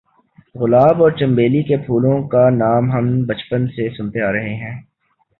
گلاب اور چنبیلی کے پھولوں کا نام ہم بچپن سے سنتے آ رہے ہیں۔